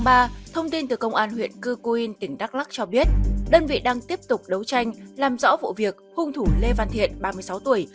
ban huyện cư quyên tỉnh đắk lắc cho biết đơn vị đang tiếp tục đấu tranh làm rõ vụ việc hung thủ lê văn thiện ba mươi sáu tuổi